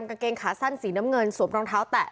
กางเกงขาสั้นสีน้ำเงินสวมรองเท้าแตะ